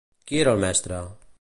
Qui era el mestre?